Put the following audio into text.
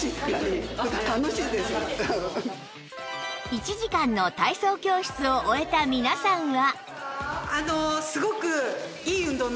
１時間の体操教室を終えた皆さんは